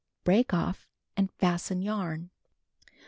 Break off and fasten yarn.